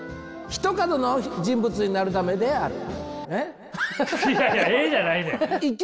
「ひと角の人物になるためである」。